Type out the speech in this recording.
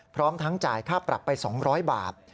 พร้อมทั้งจ่ายค่าปรับไป๒๐๐บาท